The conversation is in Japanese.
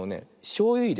しょうゆいれね